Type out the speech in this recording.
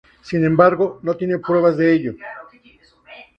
Sin embargo, no tiene pruebas de ello.